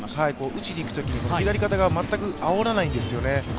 打ちにいくときに、左肩が全くあおらないんですよね。